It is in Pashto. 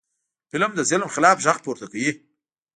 فلم د ظلم خلاف غږ پورته کوي